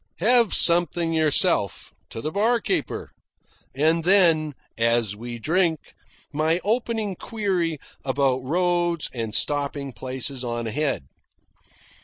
"Have something yourself," to the barkeeper. And then, as we drink, my opening query about roads and stopping places on ahead.